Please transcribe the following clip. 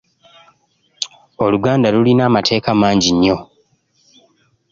Oluganda lulira amateeka mangi nnyo.